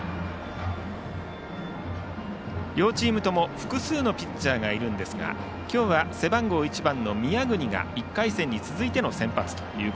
両チームとも複数のピッチャーがいるんですが今日は背番号１番の宮國が１回戦に続いての先発。